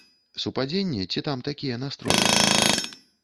Супадзенне ці там такія настроі?